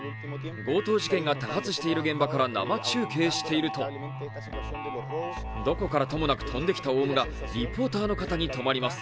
強盗事件が多発している現場から生中継しているとどこからともなく飛んできたオウムがリポーターの肩に止まります。